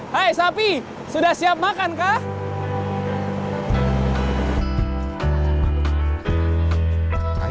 hai sapi sudah siap makan kah